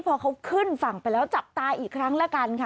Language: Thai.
พอเขาขึ้นฝั่งไปแล้วจับตาอีกครั้งด้วย